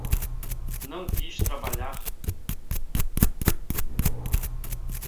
Não quis trabalhar ontem.